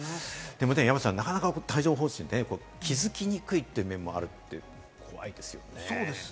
山ちゃん、なかなか帯状疱疹ね、気づきにくいっていう面もあると怖いですね。